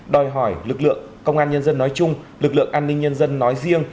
đòi hỏi lực lượng công an nhân dân nói chung lực lượng an ninh nhân dân nói riêng